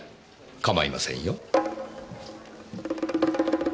構いませんよ。